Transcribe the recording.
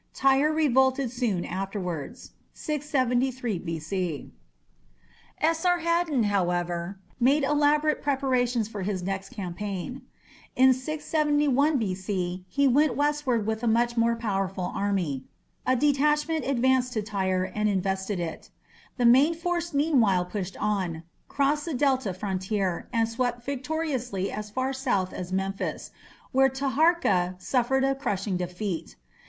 Tyre revolted soon afterwards (673 B.C). Esarhaddon, however, made elaborate preparations for his next campaign. In 671 B.C. he went westward with a much more powerful army. A detachment advanced to Tyre and invested it. The main force meanwhile pushed on, crossed the Delta frontier, and swept victoriously as far south as Memphis, where Taharka suffered a crushing defeat.